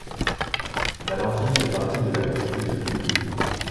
Valentine fait partie de l'académie de Toulouse.